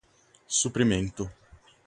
suprimento